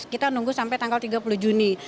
kita nunggu sampai tanggal tiga puluh juni